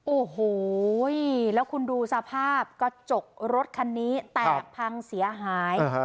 โอ้โหแล้วคุณดูสภาพกระจกรถคันนี้แตกพังเสียหาย